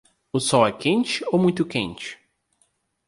O sol é quente ou muito quente?